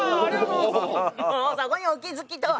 もうそこにお気付きとは。